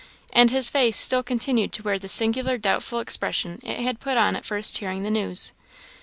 And his face still continued to wear the singular doubtful expression it had put on at first hearing the news.